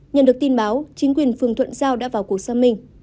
nhận được tin báo chính quyền phường thuận giao đã vào cuộc xâm minh